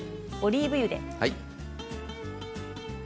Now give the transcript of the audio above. オリーブ油で。